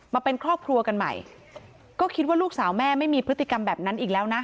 มาเป็นครอบครัวกันใหม่ก็คิดว่าลูกสาวแม่ไม่มีพฤติกรรมแบบนั้นอีกแล้วนะ